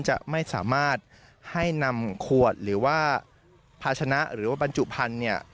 จะไม่สามารถให้นำขวดหรือว่าภาชนะหรือว่าบรรจุพันธุ์เนี่ย